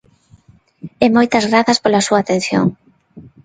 E moitas grazas pola súa atención.